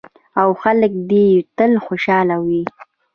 او خلک دې یې تل خوشحاله وي.